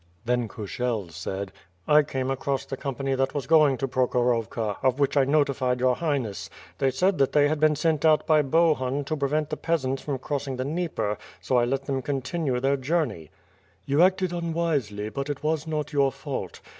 Then Kurshel said: "I came across the company that was going to Prokhor ovka, of which I notified your Highness. They said that 19 290 ^^'^B PIRE AND SWORD, they had been sent out by Bohun to prevent the peasants from crossing the Dnieper, so I let them continue their journey." "You acted unwisely, but it was not your fault.